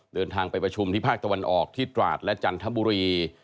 เดินทางไปประชุมที่ภาคตะวันออกที่ตราดและจันทบุรี